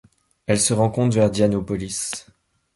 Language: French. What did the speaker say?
Elle se rencontre vers Dianópolis.